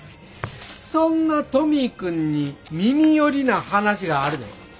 そんなトミー君に耳寄りな話があるで。